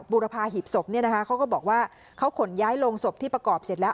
บุรพาหีบศพเนี่ยนะคะเขาก็บอกว่าเขาขนย้ายโรงศพที่ประกอบเสร็จแล้ว